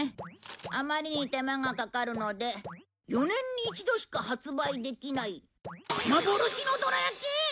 「あまりに手間がかかるので４年に１度しか発売できない幻のどら焼き」！？